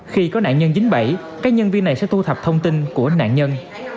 khi có nạn nhân dính bẫy các nhân viên này sẽ thu thập thông tin của nạn nhân